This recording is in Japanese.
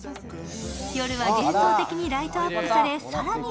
夜は幻想的にライトアップされ更に